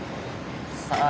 さあ